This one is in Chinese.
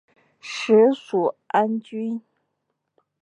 属始安郡。